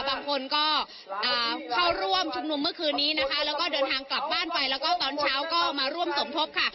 บางคนก็เข้าร่วมชุมนุมเมื่อคืนนี้นะคะแล้วก็เดินทางกลับบ้านไปแล้วก็ตอนเช้าก็มาร่วมสมทบค่ะ